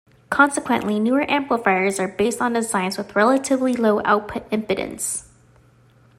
Consequently, newer amplifiers are based on designs with relatively low output impedance.